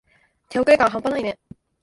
手遅れ感はんぱないね。